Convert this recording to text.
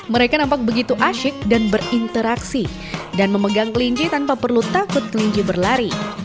mereka nampak begitu asyik dan berinteraksi dan memegang kelinci tanpa perlu takut kelinci berlari